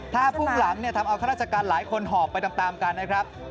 ถ้าพุ่งหลังเนี่ยทำเอาข้าราชการหลายคนหอบไปตามกันนะครับ